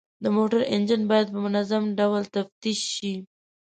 د موټرو انجن باید په منظم ډول تفتیش شي.